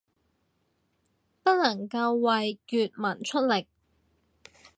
不能夠為粵文出力